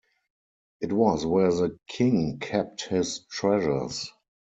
It was where the king kept his treasures.